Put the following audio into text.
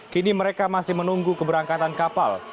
kini mereka masih menunggu keberangkatan kapal